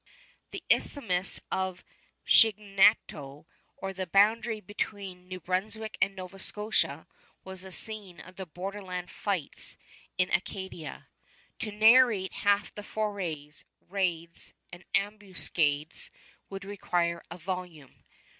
The Isthmus of Chignecto, or the boundary between New Brunswick and Nova Scotia, was the scene of the border land fights in Acadia. To narrate half the forays, raids, and ambuscades would require a volume.